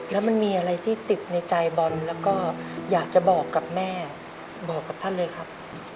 แล้วมันมีอะไรที่ติดในใจบอลแล้วก็อยากจะบอกกับแม่บอกกับท่านเลยครับ